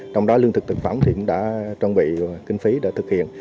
trong đó lương thực thực phẩm cũng đã chuẩn bị kinh phí đã thực hiện